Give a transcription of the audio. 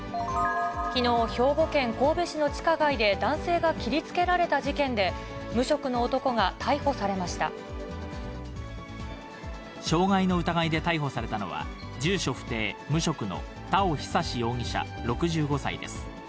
きのう、兵庫県神戸市の地下街で、男性が切りつけられた事件で、無職の男傷害の疑いで逮捕されたのは、住所不定、無職の田尾寿容疑者６５歳です。